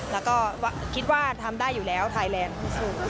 แล้วก็คิดว่าทำได้อยู่แล้วไทยแลนด์ที่สุด